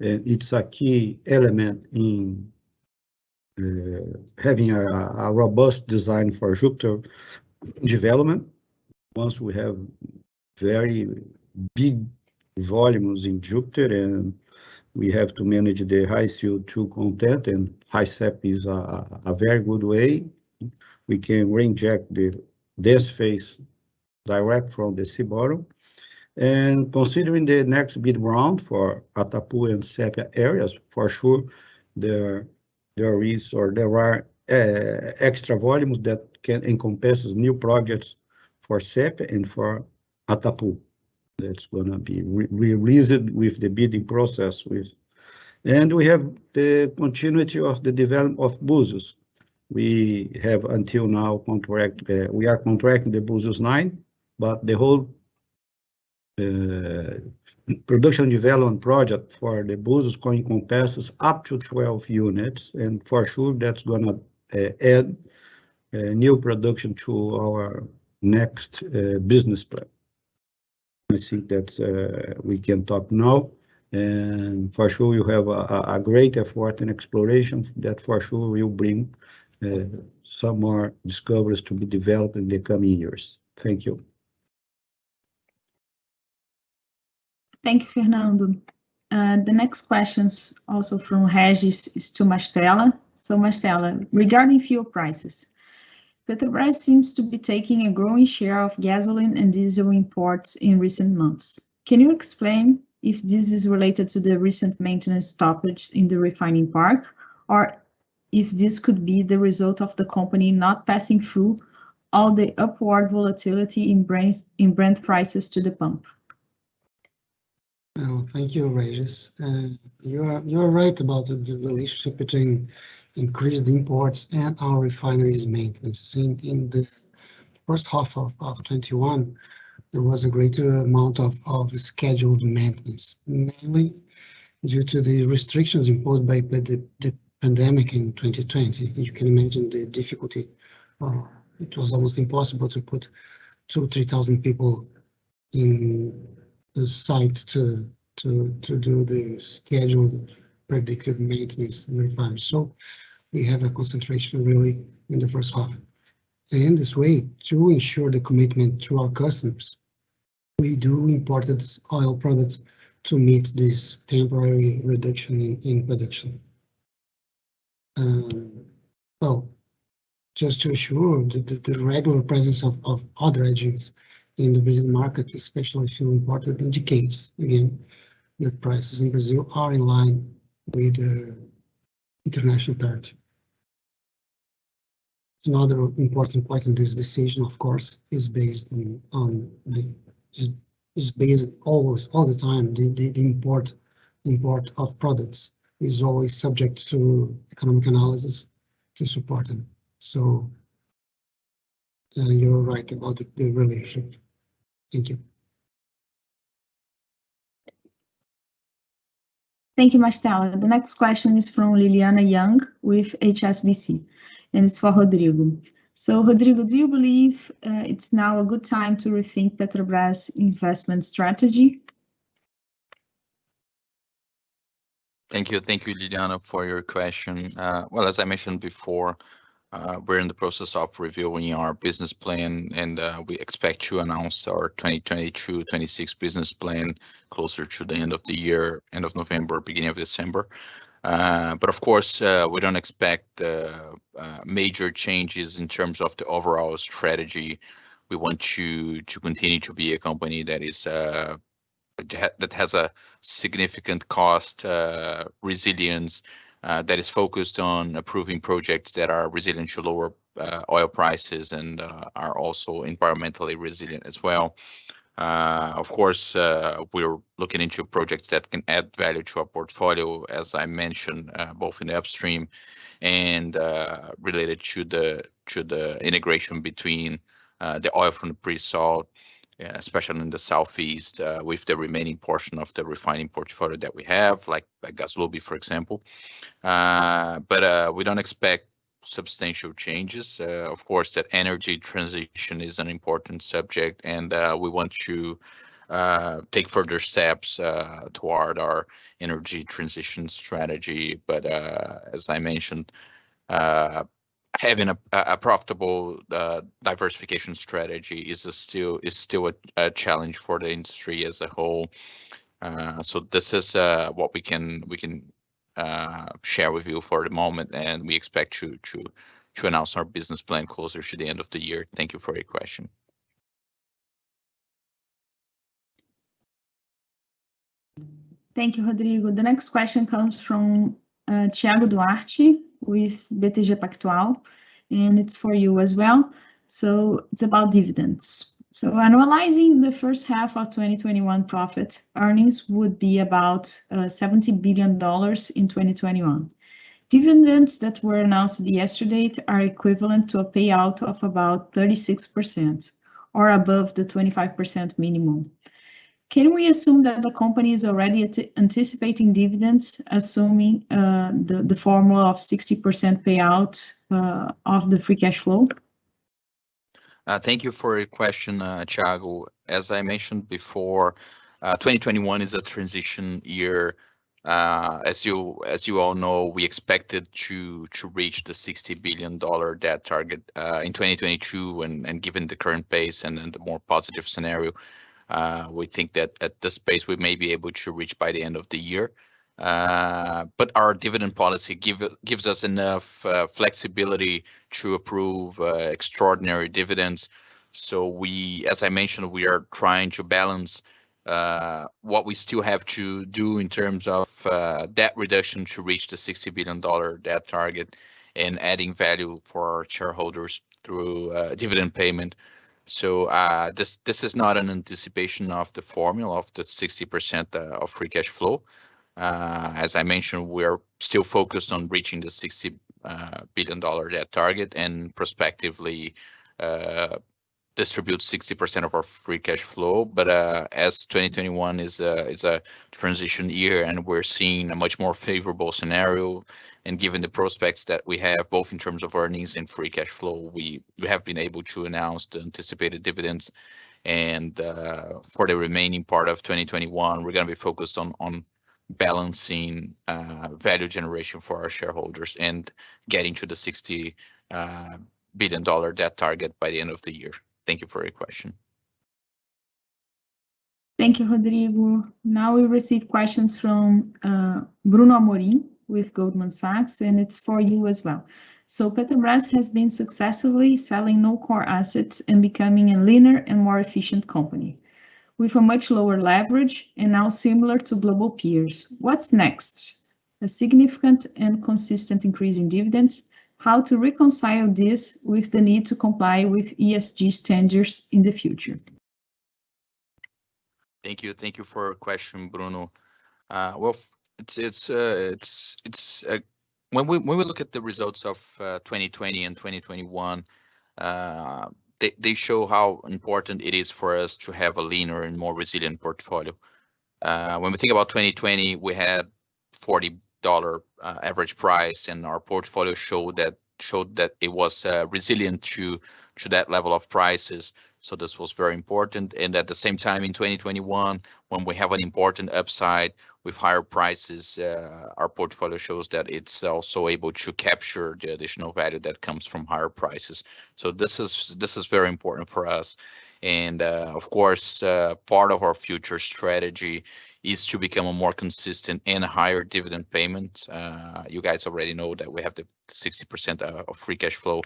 It's a key element in having a robust design for Júpiter development. Once we have very big volumes in Júpiter, and we have to manage the high CO2 content, HISEP is a very good way. We can reinject this phase direct from the sea bottom. Considering the next bid round for Atapu and SEAP areas, for sure, there are extra volumes that can encompass new projects for SEAP and for Atapu. That's going to be released with the bidding process. We have the continuity of the development of Búzios. We have until now, we are contracting the Búzios 9, but the whole production development project for the Búzios going to encompass up to 12 units, and for sure that's going to add new production to our next business plan. I think that we can talk now. For sure you have a great effort in exploration that for sure will bring some more discoveries to be developed in the coming years. Thank you. Thank you, Fernando. The next question is also from Regis, is to Mastella. Mastella, regarding fuel prices, Petrobras seems to be taking a growing share of gasoline and diesel imports in recent months. Can you explain if this is related to the recent maintenance stoppage in the refining park, or if this could be the result of the company not passing through all the upward volatility in Brent prices to the pump? Well, thank you, Regis. You are right about the relationship between increased imports and our refineries maintenance. In this first half of 2021, there was a greater amount of scheduled maintenance, mainly due to the restrictions imposed by the pandemic in 2020. You can imagine the difficulty. It was almost impossible to put 2,000, 3,000 people in the site to do the scheduled predicted maintenance in refineries. We have a concentration really in the first half. In this way, to ensure the commitment to our customers, we do import oil products to meet this temporary reduction in production. Just to ensure the regular presence of other agents in the Brazilian market, especially fuel import, indicates again that prices in Brazil are in line with the international part. Another important point in this decision, of course, is based always, all the time, the import of products is always subject to economic analysis to support them. You're right about the relationship. Thank you. Thank you, Mastella. The next question is from Lilyanna Yang with HSBC, and it's for Rodrigo. Rodrigo, do you believe it's now a good time to rethink Petrobras' investment strategy? Thank you. Thank you, Lilyanna, for your question. Well, as I mentioned before, we're in the process of reviewing our business plan, and we expect to announce our 2022/26 business plan closer to the end of the year, end of November, beginning of December. Of course, we don't expect major changes in terms of the overall strategy. We want to continue to be a company that has a significant cost resilience, that is focused on approving projects that are resilient to lower oil prices and are also environmentally resilient as well. Of course, we're looking into projects that can add value to our portfolio, as I mentioned, both in the upstream and related to the integration between the oil from the pre-salt, especially in the southeast, with the remaining portion of the refining portfolio that we have, like GasLub, for example. We don't expect substantial changes. That energy transition is an important subject, we want to take further steps toward our energy transition strategy. As I mentioned, having a profitable diversification strategy is still a challenge for the industry as a whole. This is what we can share with you for the moment, we expect to announce our business plan closer to the end of the year. Thank you for your question. Thank you, Rodrigo. The next question comes from Thiago Duarte with BTG Pactual, and it's for you as well. It's about dividends. Analyzing the first half of 2021 profits, earnings would be about BRL 17 billion in 2021. Dividends that were announced yesterday are equivalent to a payout of about 36%, or above the 25% minimum. Can we assume that the company is already anticipating dividends, assuming the formula of 60% payout of the free cash flow? Thank you for your question, Thiago. As I mentioned before, 2021 is a transition year. As you all know, we expected to reach the $60 billion debt target in 2022. Given the current pace and the more positive scenario, we think that at this pace, we may be able to reach by the end of the year. Our dividend policy gives us enough flexibility to approve extraordinary dividends. As I mentioned, we are trying to balance what we still have to do in terms of debt reduction to reach the $60 billion debt target and adding value for our shareholders through dividend payment. This is not an anticipation of the formula of the 60% of free cash flow. As I mentioned, we are still focused on reaching the $60 billion debt target and prospectively distribute 60% of our free cash flow. As 2021 is a transition year and we're seeing a much more favorable scenario, and given the prospects that we have, both in terms of earnings and free cash flow, we have been able to announce the anticipated dividends. For the remaining part of 2021, we're going to be focused on balancing value generation for our shareholders and getting to the BRL 60 billion debt target by the end of the year. Thank you for your question. Thank you, Rodrigo. Now we receive questions from Bruno Amorim with Goldman Sachs, and it's for you as well. Petrobras has been successfully selling non-core assets and becoming a leaner and more efficient company with a much lower leverage and now similar to global peers. What's next? A significant and consistent increase in dividends? How to reconcile this with the need to comply with ESG standards in the future? Thank you. Thank you for your question, Bruno. Well, when we look at the results of 2020 and 2021, they show how important it is for us to have a leaner and more resilient portfolio. When we think about 2020, we had $40 average price. Our portfolio showed that it was resilient to that level of prices. This was very important. At the same time in 2021, when we have an important upside with higher prices, our portfolio shows that it's also able to capture the additional value that comes from higher prices. This is very important for us. Of course, part of our future strategy is to become a more consistent and higher dividend payment. You guys already know that we have the 60% of free cash flow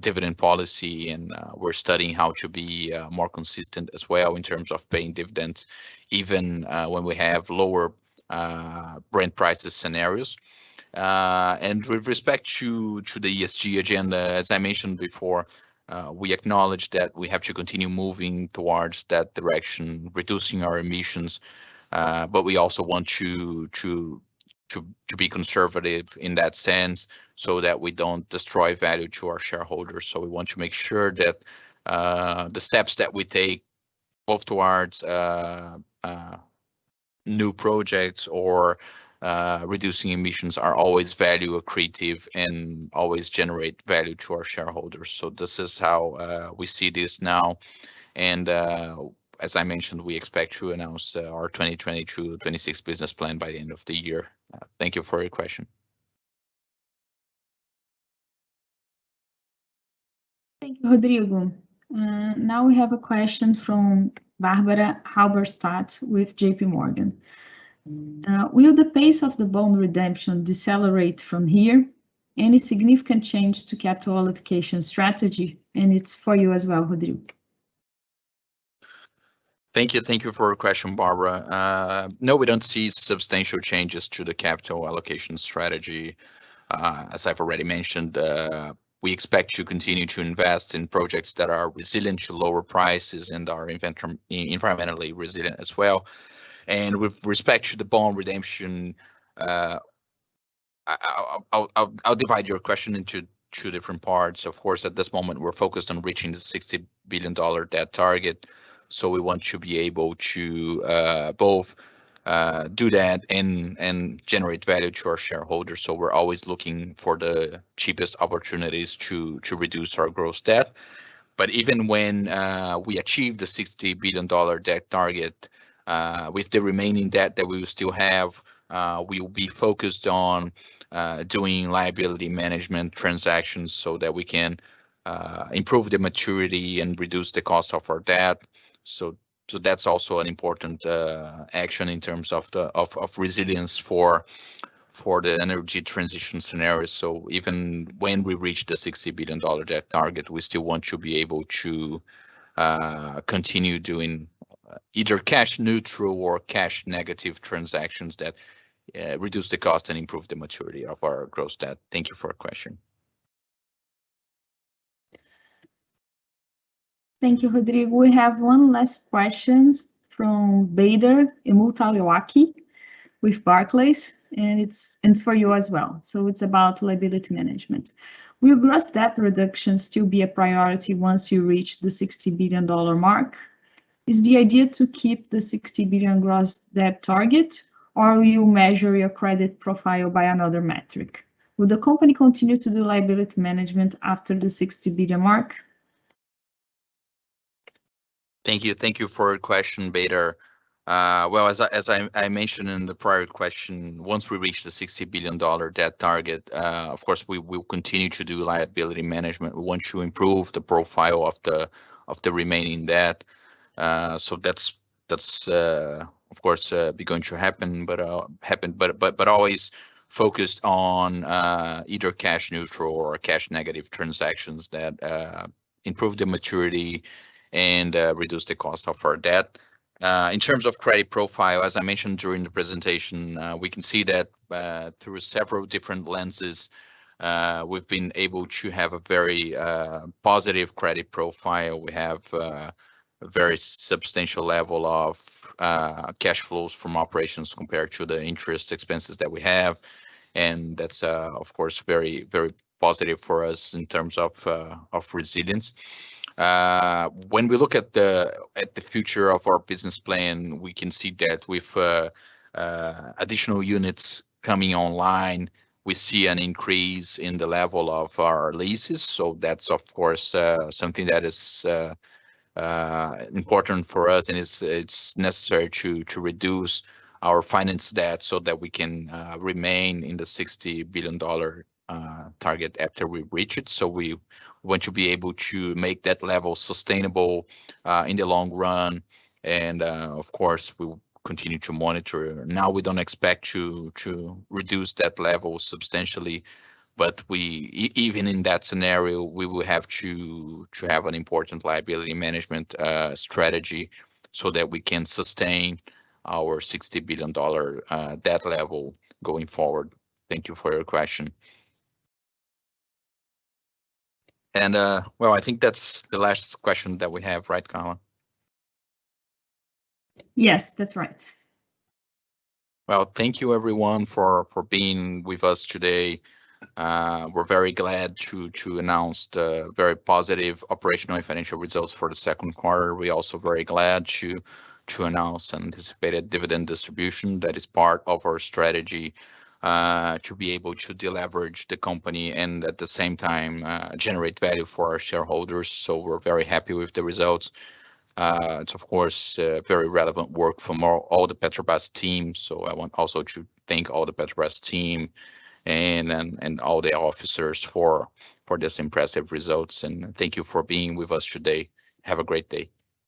dividend policy, and we're studying how to be more consistent as well in terms of paying dividends, even when we have lower Brent prices scenarios. With respect to the ESG agenda, as I mentioned before, we acknowledge that we have to continue moving towards that direction, reducing our emissions. We also want to be conservative in that sense so that we don't destroy value to our shareholders. We want to make sure that the steps that we take, both towards new projects or reducing emissions, are always value accretive and always generate value to our shareholders. This is how we see this now, and as I mentioned, we expect to announce our 2022/26 business plan by the end of the year. Thank you for your question. Thank you, Rodrigo. We have a question from Barbara Halberstadt with JPMorgan. Will the pace of the bond redemption decelerate from here? Any significant change to capital allocation strategy? It's for you as well, Rodrigo. Thank you. Thank you for your question, Barbara. No, we don't see substantial changes to the capital allocation strategy. As I've already mentioned, we expect to continue to invest in projects that are resilient to lower prices and are environmentally resilient as well. With respect to the bond redemption, I'll divide your question into two different parts. Of course, at this moment, we're focused on reaching the $60 billion debt target, so we want to be able to both do that and generate value to our shareholders. We're always looking for the cheapest opportunities to reduce our gross debt. Even when we achieve the $60 billion debt target, with the remaining debt that we will still have, we will be focused on doing liability management transactions so that we can improve the maturity and reduce the cost of our debt. That's also an important action in terms of resilience for the energy transition scenario. Even when we reach the BRL 60 billion debt target, we still want to be able to continue doing either cash neutral or cash negative transactions that reduce the cost and improve the maturity of our gross debt. Thank you for your question. Thank you, Rodrigo. We have one last question from Badr El Moutawakil with Barclays, and it's for you as well. It's about liability management. Will gross debt reduction still be a priority once you reach the $60 billion mark? Is the idea to keep the $60 billion gross debt target, or will you measure your credit profile by another metric? Will the company continue to do liability management after the $60 billion mark? Thank you. Thank you for your question, Badr. Well, as I mentioned in the prior question, once we reach the $60 billion debt target, of course, we will continue to do liability management. We want to improve the profile of the remaining debt. That's, of course, going to happen, but always focused on either cash neutral or cash negative transactions that improve the maturity and reduce the cost of our debt. In terms of credit profile, as I mentioned during the presentation, we can see that through several different lenses, we've been able to have a very positive credit profile. We have a very substantial level of cash flows from operations compared to the interest expenses that we have, and that's, of course, very positive for us in terms of resilience. When we look at the future of our business plan, we can see that with additional units coming online, we see an increase in the level of our leases. That's, of course, something that is important for us, and it's necessary to reduce our finance debt so that we can remain in the $60 billion target after we reach it. We want to be able to make that level sustainable in the long run. Of course, we will continue to monitor. Now, we don't expect to reduce that level substantially. Even in that scenario, we will have to have an important liability management strategy so that we can sustain our $60 billion debt level going forward. Thank you for your question. Well, I think that's the last question that we have, right, Carla? Yes, that's right. Well, thank you, everyone, for being with us today. We're very glad to announce the very positive operational and financial results for the second quarter. We're also very glad to announce anticipated dividend distribution that is part of our strategy to be able to deleverage the company and, at the same time, generate value for our shareholders. We're very happy with the results. It's, of course, very relevant work from all the Petrobras team. I want also to thank all the Petrobras team and all the officers for these impressive results. Thank you for being with us today. Have a great day.